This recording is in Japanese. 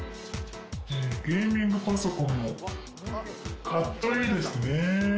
ゲーミングパソコンも、カッチョいいですね。